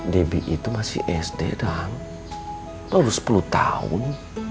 debbie itu masih sd dan baru sepuluh tahun